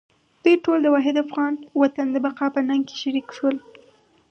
دوی ټول د واحد افغان وطن د بقا په ننګ کې شریک شول.